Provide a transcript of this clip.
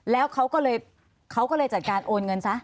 แล้วเขาก็เลยจัดการโอนเงินซะ